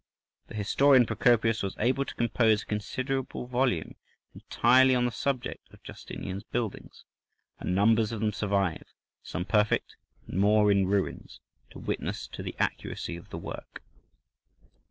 The historian Procopius was able to compose a considerable volume entirely on the subject of Justinian's buildings, and numbers of them survive, some perfect and more in ruins, to witness to the accuracy of the work.